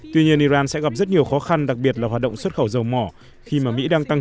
tuy nhiên iran sẽ gặp rất nhiều khó khăn đặc biệt là hoạt động xuất khẩu dầu mỏ khi mà mỹ đang tăng